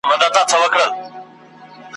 پروت که پر ساحل یم که په غېږ کي د توپان یمه `